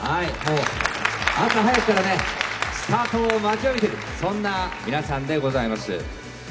朝早くからスタートを待ちわびているそんな皆さんでございます。